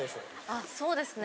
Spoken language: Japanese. あそうですね。